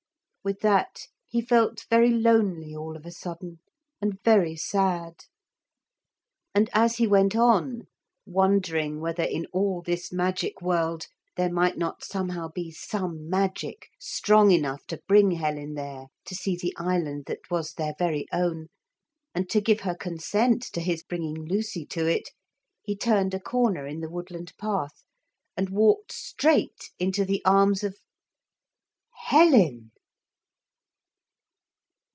With that he felt very lonely, all of a sudden, and very sad. And as he went on, wondering whether in all this magic world there might not somehow be some magic strong enough to bring Helen there to see the island that was their very own, and to give her consent to his bringing Lucy to it, he turned a corner in the woodland path, and walked straight into the arms of Helen.